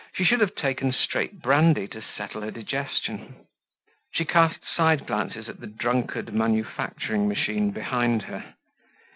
She should have taken straight brandy to settle her digestion. She cast side glances at the drunkard manufacturing machine behind her.